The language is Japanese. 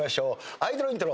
アイドルイントロ。